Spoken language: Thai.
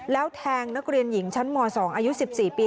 แล้วแทงนักเรียนหญิงชั้นม๒อายุ๑๔ปี